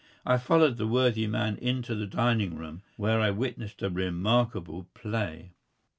I followed the worthy man into the dining room, where I witnessed a remarkable play.